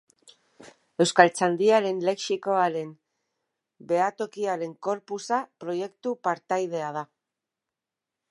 Euskaltzaindiaren Lexikoaren Behatokiaren corpusa proiektuko partaidea da.